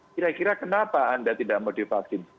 kira kira kenapa anda tidak mau divaksin